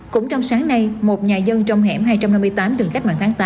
cũng trong sáng nay một nhà dân trong hẻm hai trăm năm mươi tám đường cách mạng tháng tám